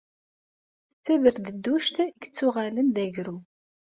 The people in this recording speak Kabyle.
D taberdedduct ay yettuɣalen d agru.